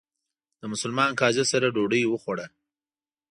د مسلمان قاضي سره ډوډۍ وخوړه.